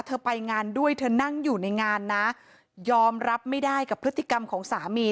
ไปงานด้วยเธอนั่งอยู่ในงานนะยอมรับไม่ได้กับพฤติกรรมของสามี